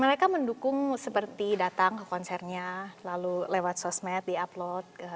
mereka mendukung seperti datang ke konsernya lalu lewat sosmed di upload